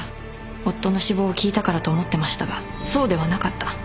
夫の死亡を聞いたからと思ってましたがそうではなかった。